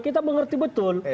kita mengerti betul